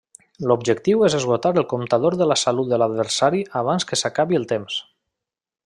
L’objectiu és esgotar el comptador de la salut de l’adversari abans que s’acabi el temps.